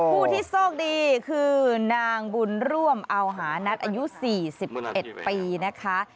ผู้ที่โชคดีคือนางบุญร่วมเอาหานัทอายุ๔๑ปีนะคะ